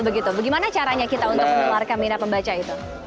bagaimana caranya kita untuk menularkan minat pembaca itu